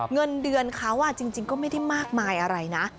เงินเดือนเขาจริงก็ไม่ได้มากมายอะไรนะ